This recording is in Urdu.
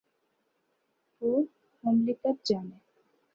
وہ مملکت جانے۔